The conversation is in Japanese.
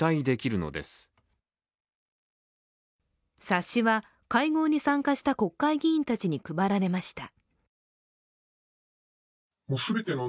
冊子は会合に参加した国会議員たちに配られました。